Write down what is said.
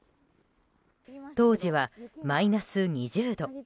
当時はマイナス２０度。